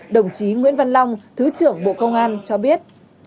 đồng chí nguyễn văn long thứ trưởng bộ công an cho biết